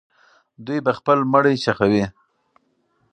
دوی به خپل مړي ښخوي.